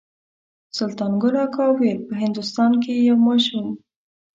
سلطان ګل اکا ویل په هندوستان کې یو ماشوم.